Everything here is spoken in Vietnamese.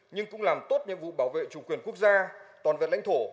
nhưng cũng làm tốt nhiệm vụ bảo vệ chủ quyền quốc gia toàn vẹn lãnh thổ